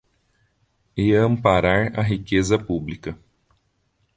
E amparar a riqueza pública.